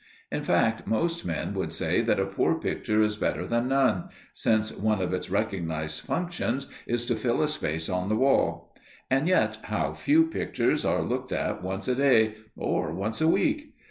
In fact, most men would say that a poor picture is better than none, since one of its recognized functions is to fill a space on the wall. And yet how few pictures are looked at once a day, or once a week.